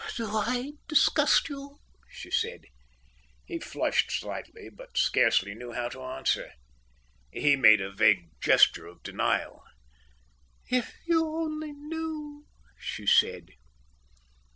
"Do I disgust you?" she said. He flushed slightly, but scarcely knew how to answer. He made a vague gesture of denial. "If you only knew," she said.